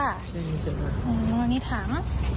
อันนี้ถัง